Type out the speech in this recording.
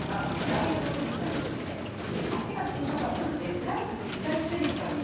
ダイエットスリッパについて足が小さかったのでサイズぴったりスリッパに。